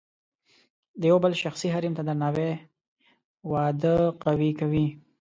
د یو بل شخصي حریم ته درناوی واده قوي کوي.